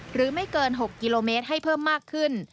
ไม่เกิน๖กิโลเมตรให้เพิ่มมากขึ้น